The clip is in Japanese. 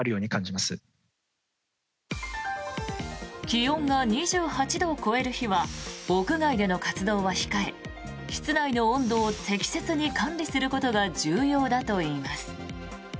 気温が２８度を超える日は屋外での活動は控え室内の温度を適切に管理することが重要だといいます。